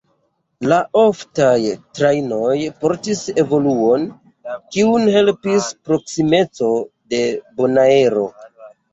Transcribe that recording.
La oftaj trajnoj portis evoluon, kiun helpis proksimeco de Bonaero.